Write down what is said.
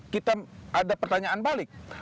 kita ada pertanyaan balik